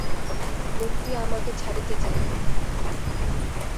লোকটি আমাকে ছাড়িতে চাহিত না।